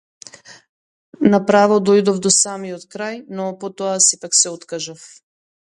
На право дојдов до самиот крај, но потоа сепак се откажав.